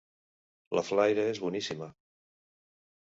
La flaire és boníssima.